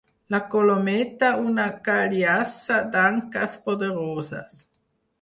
La Colometa, una galiassa d'anques poderoses.